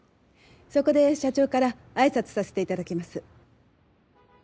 そこで社長から挨拶させていただきます。